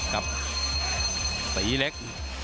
ครับสีเล็ก